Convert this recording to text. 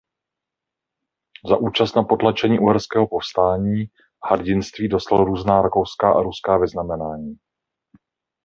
Za účast na potlačení uherského povstání a hrdinství dostal různá rakouská a ruská vyznamenání.